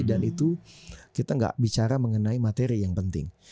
dan itu kita gak bicara mengenai materi yang penting